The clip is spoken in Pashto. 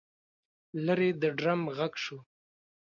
لرې د ډرم غږ شو.